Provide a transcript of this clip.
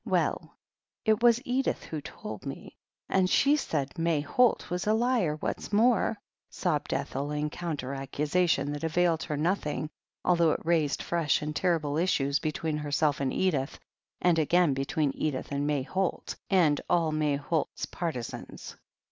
"Well, it was Edith who told me, and she said May Holt was a liar, what's more," sobbed Ethel, in counter accusation that availed her nothing, although it raised fresh and terrible issues between herself and Edith, and again between Edith and May Holt, and all May Holt's partisans.